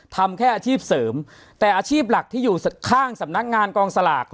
ทำแค่อาชีพเสริมแต่อาชีพหลักที่อยู่ข้างสำนักงานกองสลาก